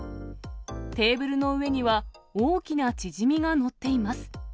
テーブルの上には、大きなチヂミが載っています。